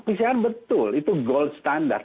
pcr betul itu gold standard